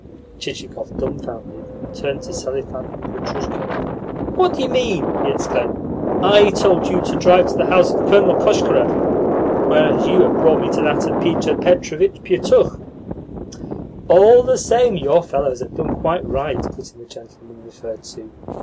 Chichikov, dumbfounded, turned to Selifan and Petrushka. "What do you mean?" he exclaimed. "I told you to drive to the house of Colonel Koshkarev, whereas you have brought me to that of Peter Petrovitch Pietukh." "All the same, your fellows have done quite right," put in the gentleman referred to.